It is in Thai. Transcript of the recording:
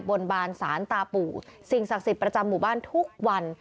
บนบานสารตาปู่สิ่งศักดิ์สิทธิ์ประจำหมู่บ้านทุกวัน